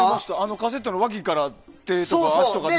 カセットの脇から手とか足とか出てる。